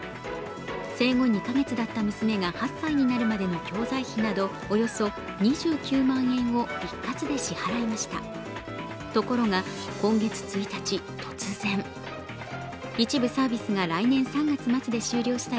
生後２か月だった娘が８歳になるまでの教材費などおよそ２９万円を一括で支払いました。